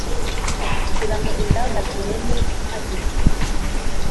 Ngira ngo ingamba zireme mpageze,